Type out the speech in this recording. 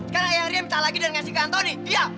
karena yang ria minta lagi dan ngasih ke anthony